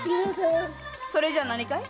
それじゃ何かい？